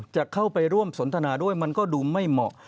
จะเข้าไปร่วมสนทนาด้วยมันก็ดูไม่เหมาะ